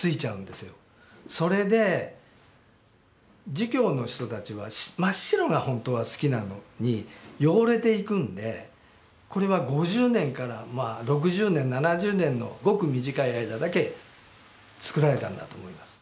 それで儒教の人たちは真っ白が本当は好きなのに汚れていくんでこれは５０年からまあ６０年７０年のごく短い間だけ作られたんだと思います。